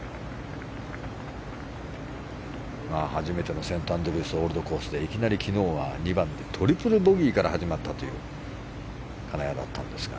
初めてのセントアンドリュースオールドコースでいきなり昨日は２番でトリプルボギーから始まったという金谷だったんですが。